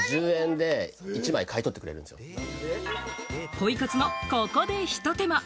ポイ活のここでひと手間。